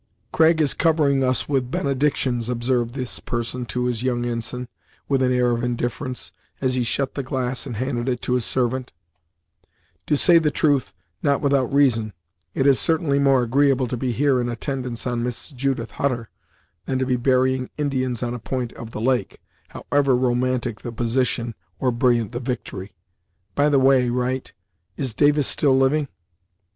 "Craig is covering us with benedictions," observed this person to his young ensign, with an air of indifference, as he shut the glass and handed it to his servant; "to say the truth, not without reason; it is certainly more agreeable to be here in attendance on Miss Judith Hutter, than to be burying Indians on a point of the lake, however romantic the position, or brilliant the victory. By the way, Wright is Davis still living?"